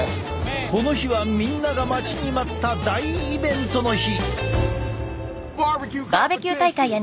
この日はみんなが待ちに待った大イベントの日！